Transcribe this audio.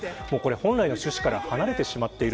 本来の趣旨から離れてしまっている。